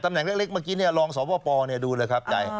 ตำแหน่งเล็กเมื่อกี้นี่รองสวพปดูเลยครับจ่าย